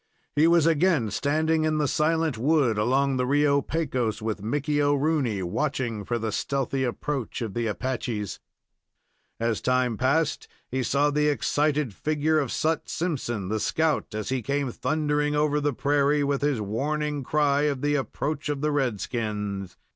He was again standing in the silent wood along the Rio Pecos, with Mickey O'Rooney, watching for the stealthy approach of the Apaches. As time passed, he saw the excited figure of Sut Simpson the scout, as he came thundering over the prairie, with his warning cry of the approach of the red skins.